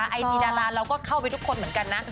ไอจีดาราเราก็เข้าไปทุกคนเหมือนกันนะ